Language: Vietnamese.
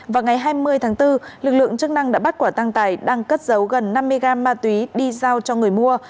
vào ngày hai mươi tháng bốn lực lượng chức năng đã bắt quả tăng tài đang cất giấu gần năm mươi gram ma túy đi giao cho người mua